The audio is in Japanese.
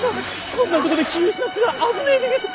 こんなとこで気失ってたら危ねえでげす！